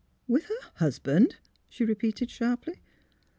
" With her husband? " she repeated, sharply.